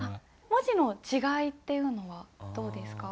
文字の違いっていうのはどうですか？